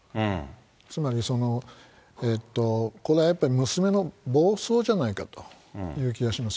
つまりその、これはやっぱり娘の暴走じゃないかという気がします。